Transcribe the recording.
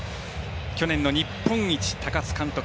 去年の日本一、高津監督。